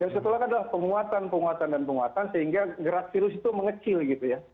yang setelahnya adalah penguatan penguatan dan penguatan sehingga gerak virus itu mengecil gitu ya